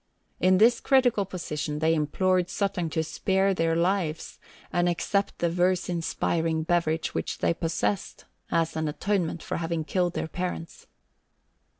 In this critical position they implored Suttung to spare their lives, and accept the verse inspiring beverage which they possessed as an atonement for their having killed his parents.